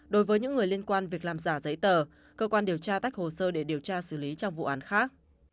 đối với những người liên quan việc làm giả giấy tờ cơ quan điều tra tách hồ sơ để điều tra xử lý trong vụ án khác